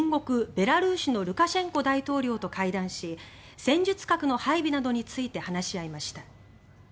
ベラルーシのルカシェンコ大統領と会談し戦術核の配備などについて話し合いました。